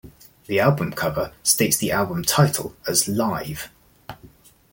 The album cover states the album title as Live!